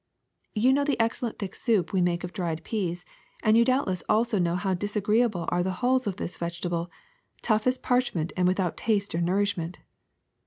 You know the excellent thick soup we make of dried peas, and you doubtless also know how disagreeable are the hulls of this vegetable, tough as parchment and without taste or nourishment.''